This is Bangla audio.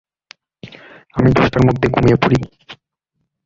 আমি দশটার মধ্যে ঘুমিয়ে পড়ি।